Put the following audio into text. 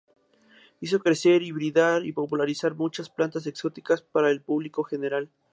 Hizo crecer, hibridar y popularizar muchas plantas exóticas para el público general.